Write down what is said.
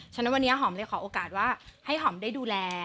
ฉะนั้นวันนี้หอมเลยขอโอกาสว่าให้หอมได้ดูแล